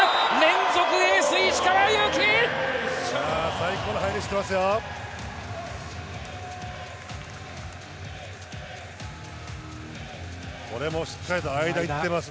最高の入り、していますよ。